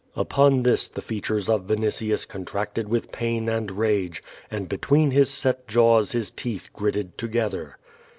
T^])on this the features of Vinitius contracted Avith pain and rage, and between his set jaws his teeth gritted together.